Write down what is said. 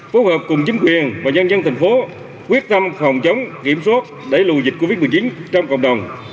phối hợp cùng chính quyền và nhân dân thành phố quyết tâm phòng chống kiểm soát đẩy lùi dịch covid một mươi chín trong cộng đồng